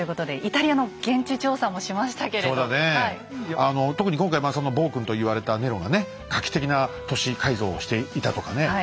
あの特に今回まあその暴君と言われたネロがね画期的な都市改造をしていたとかね